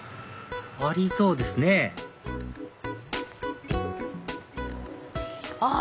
ありそうですねあっ